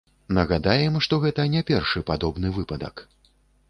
Нагадаем, што гэта не першы падобны выпадак.